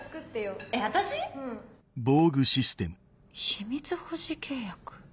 秘密保持契約？